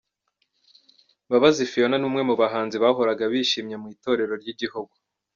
Mbabazi Phionah ni umwe mu bahanzi bahoraga bishimye mu itorero ry'igihugu.